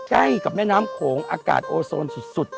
ใกล้กับแม่น้ำโขงอากาศโอโซนสุด